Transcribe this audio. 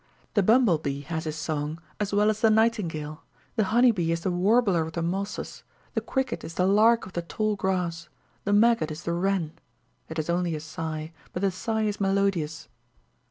The bumble bee has his song as well as the nightingale, the honey bee is the warbler of the mosses, the cricket is the lark of the tall grass, the maggot is the wren it has only a sigh, but the sigh is melodious!